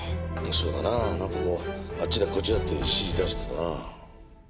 そうだななんかこうあっちだこっちだって指示出してたな。